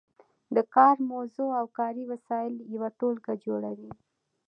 د کار موضوع او کاري وسایل یوه ټولګه جوړوي.